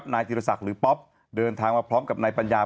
นายธิรศักดิ์หรือป๊อปเดินทางมาพร้อมกับนายปัญญา